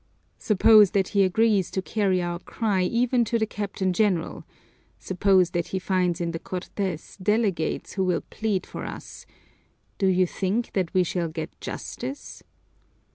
"Suppose that he agrees to carry our cry even to the Captain General, suppose that he finds in the Cortes delegates who will plead for us; do you think that we shall get justice?"